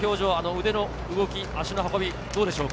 腕の動き、足の運び、どうですか？